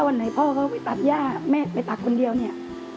ถ้าวันไหนพ่อเค้าไปตักยากแม่ก็ไปตักคนเดียวเนี่ย